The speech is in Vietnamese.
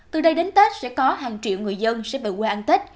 từ đây đến tết sẽ có hàng triệu người dân sẽ về quê ăn tết